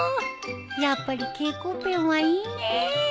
やっぱり蛍光ペンはいいね。